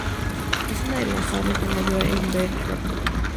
Es una de las aves de mayor envergadura.